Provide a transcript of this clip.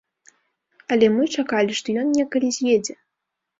Але мы чакалі, што ён некалі з'едзе.